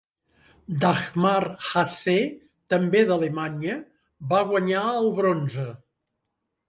Dagmar Hase, també d'Alemanya, va guanyar el bronze.